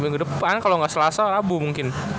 minggu depan kalo ga selasa labu mungkin